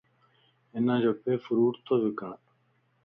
ھنجو پي ڦروٽ تو وڪڻ